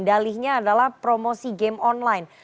dalihnya adalah promosi game online